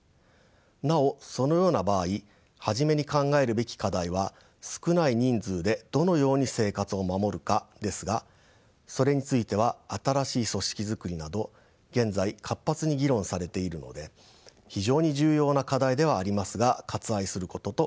なおそのような場合初めに考えるべき課題は少ない人数でどのように生活を守るかですがそれについては新しい組織づくりなど現在活発に議論されているので非常に重要な課題ではありますが割愛することとします。